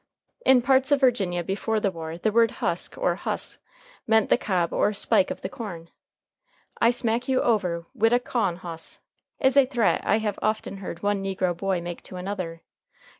In parts of Virginia, before the war, the word husk or hus' meant the cob or spike of the corn. "I smack you over wid a cawn hus'" is a threat I have often heard one negro boy make to another.